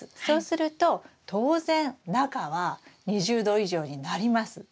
そうすると当然中は２０℃以上になります。